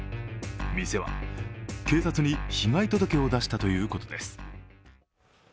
店は警察に被害届を出したということです。